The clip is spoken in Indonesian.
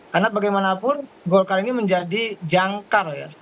karena bagaimanapun golkar ini menjadi jangkar ya